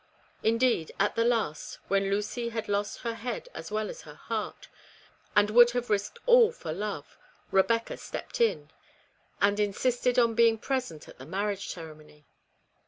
In deed, at the last, when Lucy had lost her head as well as her heart, and would have risked all for love, Rebecca stepped in, and insisted upon 230 REBECCAS REMORSE. being present at the marriage ceremony.